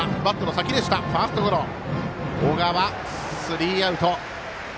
小川、スリーアウト。